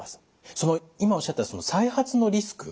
その今おっしゃった再発のリスク